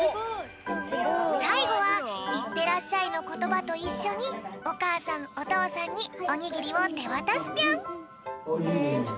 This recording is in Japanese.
さいごはいってらっしゃいのことばといっしょにおかあさんおとうさんにおにぎりをてわたすぴょん。